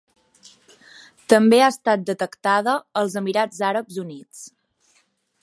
També ha estat detectada als Emirats Àrabs Units.